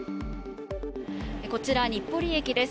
こちら、日暮里駅です。